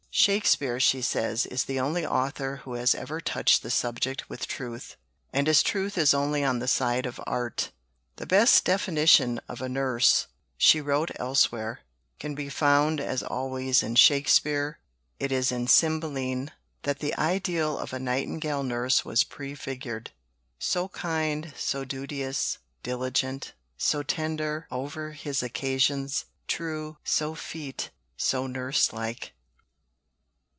"Shakespeare," she says, "is the only author who has ever touched the subject with truth, and his truth is only on the side of art." "The best definition of a Nurse," she wrote elsewhere, "can be found, as always, in Shakespeare." It is in Cymbeline that the ideal of a Nightingale nurse was prefigured: So kind, so duteous, diligent, So tender over his occasions, true, So feat, so nurse like.